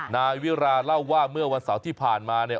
นายวิราเล่าว่าเมื่อวันเสาร์ที่ผ่านมาเนี่ย